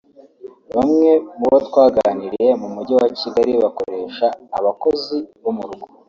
Bamwe mu bo twaganiriye mu mujyi wa Kigali bakoresha abakozi bo mu rugo